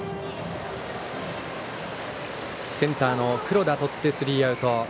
センターの黒田がとってスリーアウト。